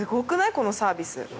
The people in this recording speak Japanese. このサービス。